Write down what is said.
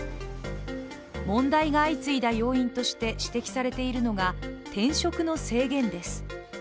問題が相次いだ要因として指摘されているのが、転職の制限です。